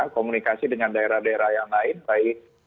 komunikasi dengan daerah daerah yang lain baik